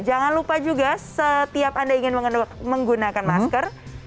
jangan lupa juga setiap anda ingin menggunakan masker